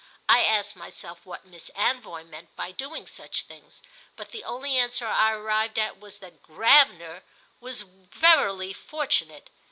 I asked myself what Miss Anvoy meant by doing such things, but the only answer I arrived at was that Gravener was verily fortunate.